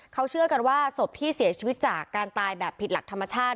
เขาเชื่อกันว่าศพที่เสียชีวิตจากการตายแบบผิดหลักธรรมชาติ